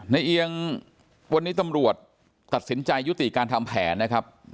เอียงวันนี้ตำรวจตัดสินใจยุติการทำแผนนะครับ